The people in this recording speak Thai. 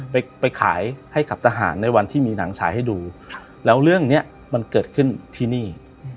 ไปขายให้กับทหารในวันที่มีหนังฉายให้ดูแล้วเรื่องนี้มันเกิดขึ้นที่นี่